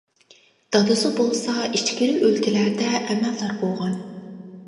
دادىسى بولسا ئىچكىرى ئۆلكىلەردە ئەمەلدار بولغان.